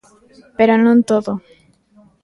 Pero non todo!